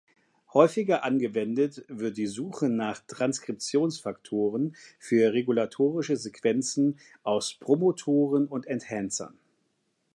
Häufiger angewendet wird die Suche nach Transkriptionsfaktoren für regulatorische Sequenzen aus Promotoren und Enhancer.